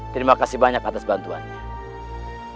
terima kasih banyak atas bantuannya